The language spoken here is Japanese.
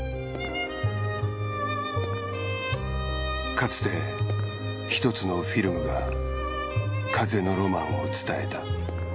かつてひとつのフィルムが風のロマンを伝えた。